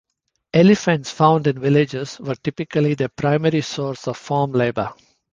Elephants found in villages were typically the primary source of farm labor.